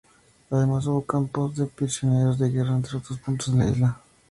Además, hubo campos de prisioneros de guerra en otros puntos de la isla.